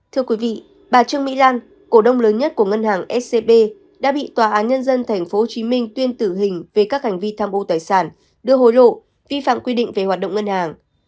thưa quý vị bà trương mỹ lan cổ đông lớn nhất của ngân hàng scb đã bị tòa án nhân dân tp hcm tuyên tử hình về các hành vi tham ô tài sản đưa hối lộ vi phạm quy định về hoạt động ngân hàng